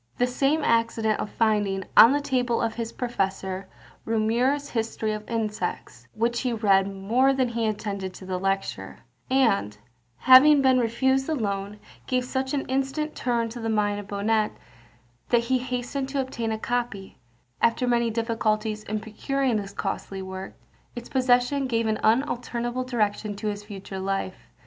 The same accident of finding, on the table of his professor, Reaumur's History of Insects, which he read more than he attended to the lecture, and, having been refused the loan, gave such an instant turn to the mind of Bonnet, that he hastened to obtain a copy; after many difficulties in procuring this costly work, its possession gave an unalterable direction to his future life.